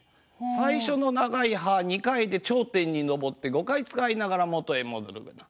最初の長い「はー」２回で頂点に上って５回使いながら元へ戻るような。